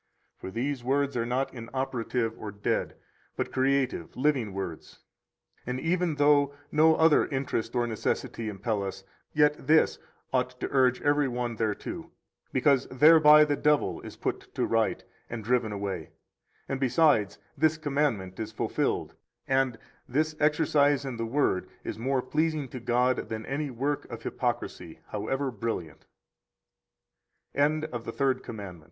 For these words are not inoperative or dead, but creative, living words. 102 And even though no other interest or necessity impel us, yet this ought to urge every one thereunto, because thereby the devil is put to Right and driven away, and, besides, this commandment is fulfilled, and [this exercise in the Word] is more pleasing to God than any work of hypocrisy, however brill